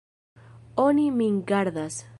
Oni min gardas.